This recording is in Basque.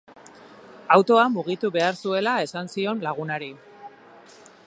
Autoa mugitu behar zuela esan zion lagunari.